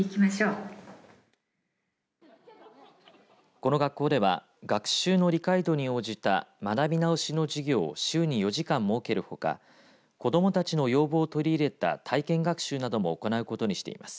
この学校では学習の理解度に応じた学び直しの授業を週に４時間設けるほか子どもたちの要望を取り入れた体験学習なども行うことにしています。